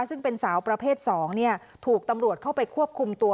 ซึ่งเป็นสาวประเภท๒ถูกตำรวจเข้าไปควบคุมตัว